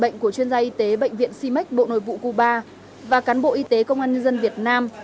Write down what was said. bệnh của chuyên gia y tế bệnh viện si mex bộ nội vụ cuba và cán bộ y tế công an nhân dân việt nam